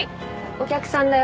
お客さんだよ。